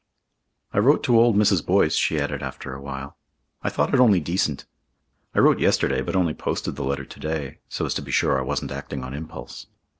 "I wrote to old Mrs. Boyce," she added after a while. "I thought it only decent. I wrote yesterday, but only posted the letter to day, so as to be sure I wasn't acting on impulse."